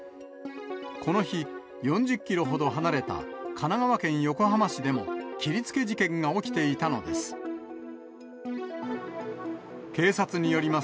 この日、４０キロほど離れた神奈川県横浜市でも切りつけ事件が起きていたのです。